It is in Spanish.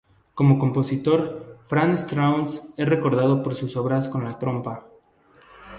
Como compositor, Franz Strauss es recordado por sus obras con la trompa.